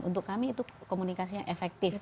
untuk kami itu komunikasinya efektif